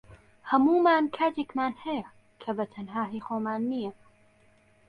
هەموومان کاتێکمان هەیە کە بەتەنها هی خۆمان نییە